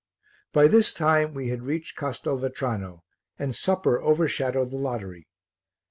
By this time we had reached Castelvetrano, and supper overshadowed the lottery.